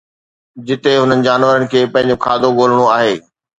جتي هنن جانورن کي پنهنجو کاڌو ڳولڻو آهي